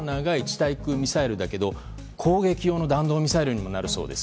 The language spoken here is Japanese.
対空ミサイルだけど攻撃用の弾道ミサイルにもなるそうです。